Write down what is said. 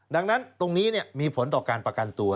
ดังนั้นตรงนี้มีผลต่อการประกันตัว